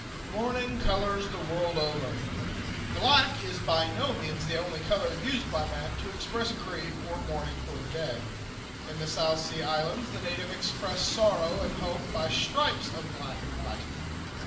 MOURNING COLORS THE WORLD OVER. Black is by no means the only color used by man to express grief or mourning for the dead. In the South Sea Islands the natives express sorrow and hope by stripes of black and white.